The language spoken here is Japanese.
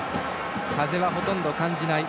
風はほとんど感じない。